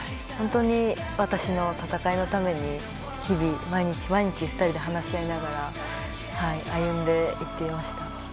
本当に私の戦いのために日々、毎日毎日２人で話し合いながら歩んでいっていました。